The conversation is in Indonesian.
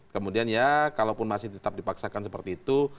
kemudian ya kalaupun masih tetap dipaksakan seperti itu